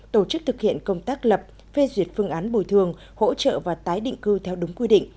tổ chức thực hiện công tác lập phê duyệt phương án bồi thường hỗ trợ và tái định cư theo đúng quy định